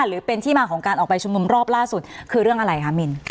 หรือเป็นที่มาของการออกไปชุมนุมรอบล่าสุดคือเรื่องอะไรคะมิน